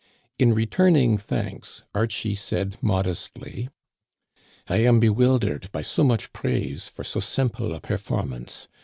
In returning thanks, Archie said modestly :" I am bewildered by so much praise for so simple a performance.